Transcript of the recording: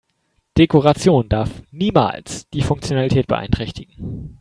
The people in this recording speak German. Dekoration darf niemals die Funktionalität beeinträchtigen.